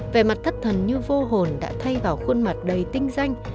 về mặt thất thần như vô hồn đã thay vào khuôn mặt đầy tinh danh